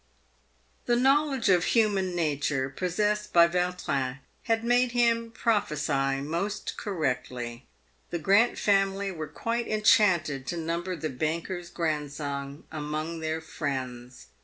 The knowledge of human nature possessed by Yautrin had made him prophesy most correctly. The Grant family were quite en chanted to number the banker's grandson among their friends.